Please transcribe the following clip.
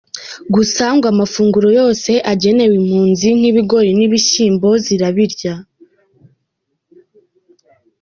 Gusa ngo amafunguro yose agenewe impunzi nk’ibigori n’ibishyimbo zirabirya.